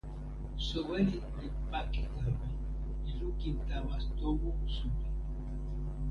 soweli li pake tawa, li lukin tawa tomo suli.